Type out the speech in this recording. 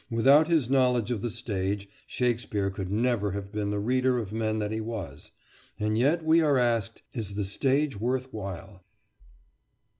Without his knowledge of the stage, Shakespeare could never have been the reader of men that he was. And yet we are asked, "Is the stage worth while?"